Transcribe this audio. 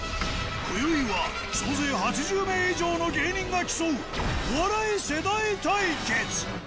こよいは、総勢８０名以上の芸人が競うお笑い世代対決。